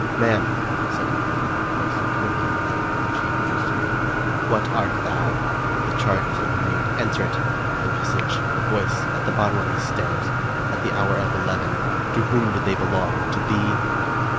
" Man," said my brother, in a voice totally unlike that which he had used to me, " what art thou ? The charge has been made. Answer it. The visage — the voice — at the bottom of these stairs — at the hour of eleven — to whom did they belong? To thee?"